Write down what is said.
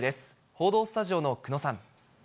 報道スタジオの久野さん。